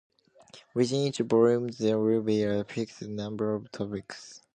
Within each volume there would be a fixed number of topics.